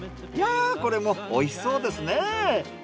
いやぁこれもおいしそうですね。